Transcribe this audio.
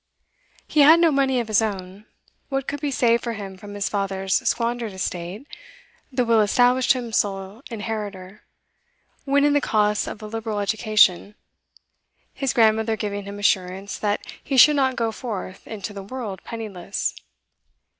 He had no money of his own. What could be saved for him from his father's squandered estate the will established him sole inheritor went in the costs of a liberal education, his grandmother giving him assurance that he should not go forth into the world penniless.